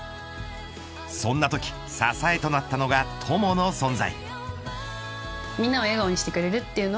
そんなとき、支えとなったのが友の存在。